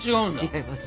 違います。